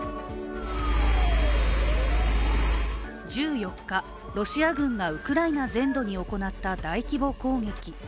１４日、ロシア軍がウクライナ全土に行った大規模攻撃。